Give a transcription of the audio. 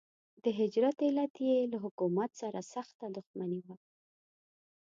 د هجرت علت یې له حکومت سره سخته دښمني وه.